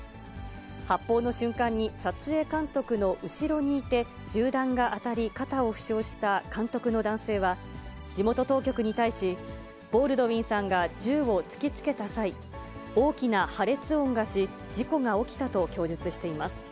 発砲の瞬間に撮影監督の後ろにいて、銃弾が当たり、肩を負傷した監督の男性は、地元当局に対し、ボールドウィンさんが銃を突きつけた際、大きな破裂音がし、事故が起きたと供述しています。